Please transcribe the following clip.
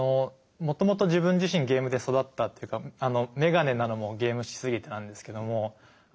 もともと自分自身ゲームで育ったっていうか眼鏡なのもゲームしすぎてなんですけども。